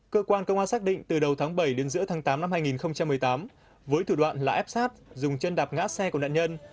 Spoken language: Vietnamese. cơ quan công an xác định từ đầu tháng bảy đến giữa tháng tám năm hai nghìn một mươi tám với thủ đoạn là áp sát dùng chân đạp ngã xe của nạn nhân